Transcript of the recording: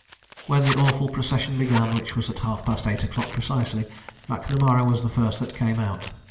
When the awful procession began, which was at half past eight o'clock precisely, Macnamara was the first that came out.